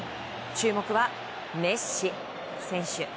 注目はメッシ選手。